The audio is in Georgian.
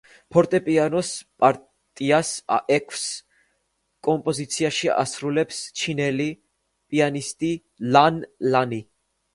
ფორტეპიანოს პარტიას ექვს კომპოზიციაში ასრულებს ჩინელი პიანისტი ლან ლანი.